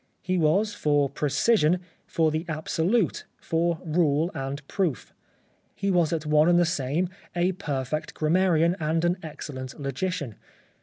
He was for precision, for the absolute, for rule and proof. He was at one and the same time a perfect gram marian and an excellent logician.